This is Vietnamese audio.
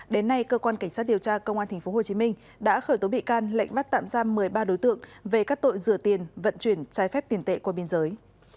đến nay cơ quan cảnh sát điều tra công an tp hcm đã khởi tố bị can lệnh bắt tạm giam một mươi ba đối tượng về các tội rửa tiền vận chuyển trái phép tiền tệ qua biên giới